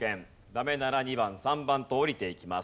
ダメなら２番３番と下りていきます。